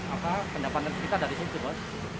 apa pendapatan kita dari situ bos